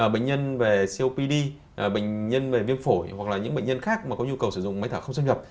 bệnh nhân về copd bệnh nhân về viêm phổi hoặc là những bệnh nhân khác mà có nhu cầu sử dụng máy thở không xâm nhập